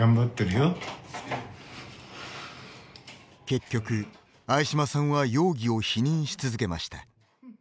結局、相嶋さんは容疑を否認し続けました。